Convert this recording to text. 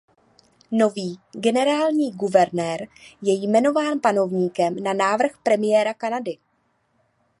Nový generální guvernér je jmenován panovníkem na návrh premiéra Kanady.